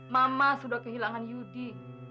mama sudah kehilangan yudi